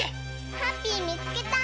ハッピーみつけた！